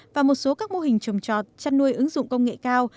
và một số các mô hình trồng trọt chăn nuôi ứng dụng công nghệ cao